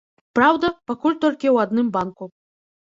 Праўда, пакуль толькі ў адным банку.